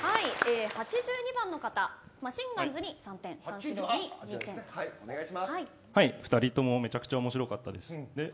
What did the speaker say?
８２番の方マシンガンズに３点２人ともめちゃくちゃ面白かったです。